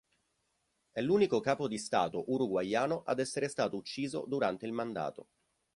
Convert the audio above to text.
È l'unico capo di stato uruguaiano ad essere stato ucciso durante il mandato.